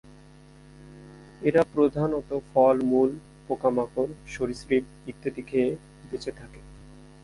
এরা প্রধানত ফল, মূল, পোকামাকড়, সরীসৃপ ইত্যাদি খেয়ে বেঁচে থাকে।